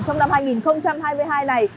trong năm hai nghìn hai mươi hai này